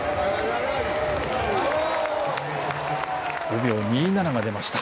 ５秒２７が出ました。